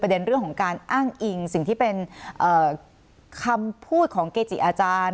เรื่องของการอ้างอิงสิ่งที่เป็นคำพูดของเกจิอาจารย์